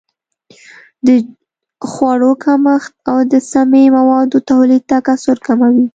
د خوړو کمښت او د سمي موادو تولید تکثر کموي.